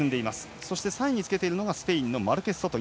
そして３位につけているのがスペインのマルケスソト。